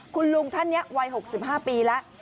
คุณลุงท่านนี้วัย๖๕ปีแล้ว